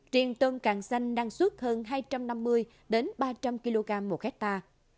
triền tôm càng xanh năng suất hơn hai trăm năm mươi ba trăm linh kg một hecta